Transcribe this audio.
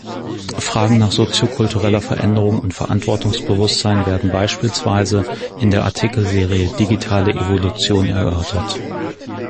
Fragen nach sozio-kultureller Veränderung und Verantwortungsbewusstsein werden beispielsweise in der Artikelserie „Digitale Evolution“ erörtert.